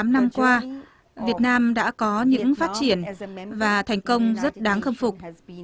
ba mươi tám năm qua việt nam đã có những phát triển và thành công rất đáng khâm phục